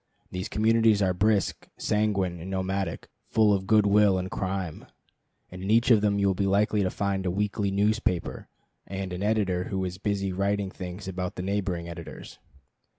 These communities are brisk, sanguine, and nomadic, full of good will and crime; and in each of them you will be likely to find a weekly newspaper, and an editor who is busy writing things about the neighboring editors.